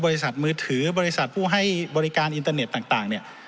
บริษัทมือถือบริษัทผู้ให้บริการอินเทอร์เน็ตต่าง